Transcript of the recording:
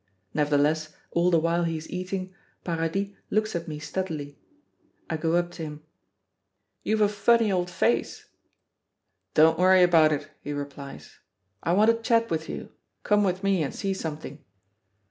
Nevertheless, all the while he is eating, Paradis looks at me steadily. I go up to him. "You've a funny old face." "Don't worry about it," he replies. "I want a chat with you. Come with me and see something."